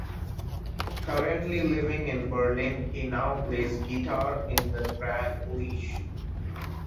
Currently living in Berlin, he now plays guitar in the band Leash.